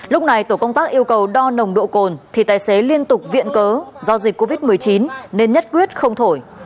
lúc này tổ công tác yêu cầu đo nồng độ cồn thì tài xế liên tục viện cớ do dịch covid một mươi chín nên nhất quyết không thổi